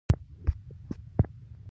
وسله د سولې قاتله ده